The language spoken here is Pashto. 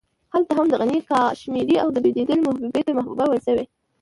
هلته هم د غني کاشمېري او د بېدل محبوبې ته محبوبه ويل شوې.